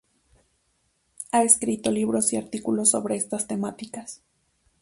Ha escrito libros y artículos sobre estas temáticas.